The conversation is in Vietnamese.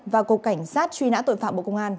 và cục cảnh sát truy nã tội phạm bộ công an